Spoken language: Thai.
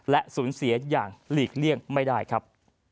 และสูญเสียอย่างหลีกเลี่ยงไม่ได้ครับ